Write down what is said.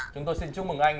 chúng tôi xin chúc mừng anh